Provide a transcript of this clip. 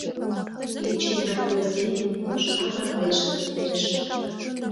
Кече нӧлтмӧ семын лыжга мардеж лектеш.